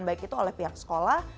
baik itu oleh pihak sekolah